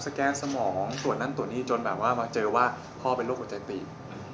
แกนสมองตรวจนั่นตรวจนี่จนแบบว่ามาเจอว่าพ่อเป็นโรคหัวใจตีบ